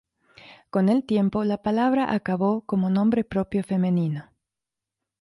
Con el tiempo, la palabra acabó como nombre propio femenino.